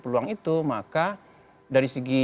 peluang itu maka dari